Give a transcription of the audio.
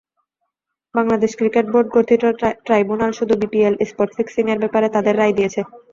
Bangladesh cricket board গঠিত tribunal শুধু BPL spot ফিক্সিংয়ের ব্যাপারে তাদের রায় দিয়েছে।